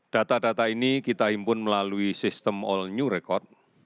data data ini kita himpun melalui sistem all new record